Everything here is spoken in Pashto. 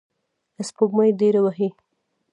سپوږمۍ دریه وهي